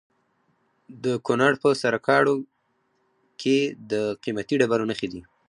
د کونړ په سرکاڼو کې د قیمتي ډبرو نښې دي.